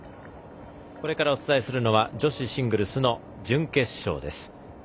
これからお伝えするのは女子シングルスの準決勝です。